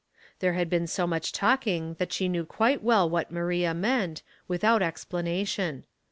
There had been so much talking that she knew quite well what Maria meant, without ex* planation.